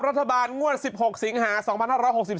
รัฐบาลงวด๑๖สิงหา๒๕๖๒